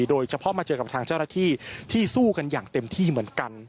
โดยเฉพาะมาเจอกับทางเจ้าหน้าที่ที่สู้กันอย่างเต็มที่เหมือนกัน